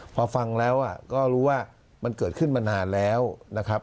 พอฟังแล้วก็รู้ว่ามันเกิดขึ้นมานานแล้วนะครับ